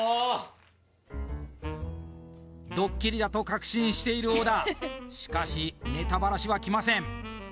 ドッキリだと確信している小田しかしネタばらしは来ません